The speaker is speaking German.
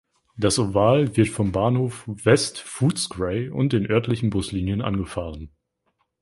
Das Oval wird vom Bahnhof West Footscray und den örtlichen Buslinien angefahren.